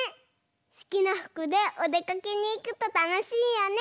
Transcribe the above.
すきなふくでおでかけにいくとたのしいよね。